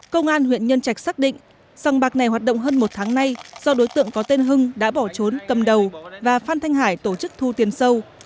công an huyện nhân trạch xác định sòng bạc này hoạt động hơn một tháng nay do đối tượng có tên hưng đã bỏ trốn cầm đầu và phan thanh hải tổ chức thu tiền sâu